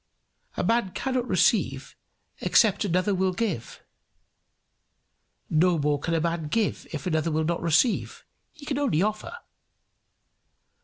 A man cannot receive except another will give; no more can a man give if another will not receive; he can only offer.